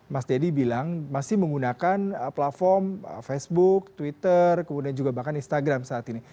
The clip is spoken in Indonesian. mas deddy bilang masih menggunakan platform facebook twitter kemudian juga bahkan instagram saat ini